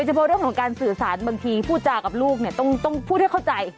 เฉพาะเรื่องของการสื่อสารบางทีพูดจากับลูกเนี่ยต้องพูดให้เข้าใจ